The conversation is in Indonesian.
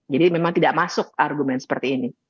jadi memang tidak masuk argumen seperti ini